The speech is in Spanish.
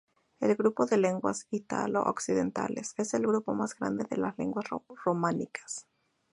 El grupo de lenguas italo-occidentales es el grupo más grande de las lenguas románicas.